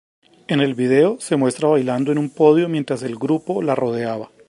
En el video, se muestra bailando en un podio mientras el grupo la rodeaba.